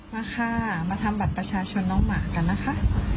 มาค่ะมาทำบัตรประชาชนน้องหมากันนะคะ